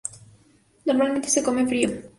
Normalmente se come frío.